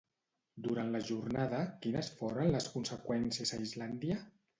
Durant la jornada, quines foren les conseqüències a Islàndia?